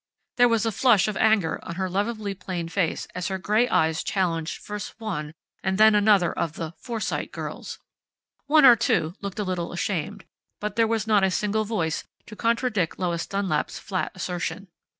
There was a flush of anger on her lovably plain face as her grey eyes challenged first one and then another of the "Forsyte girls." One or two looked a little ashamed, but there was not a single voice to contradict Lois Dunlap's flat assertion.